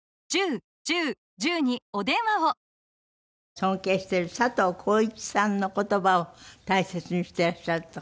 尊敬してる佐藤浩市さんの言葉を大切にしていらっしゃるとか。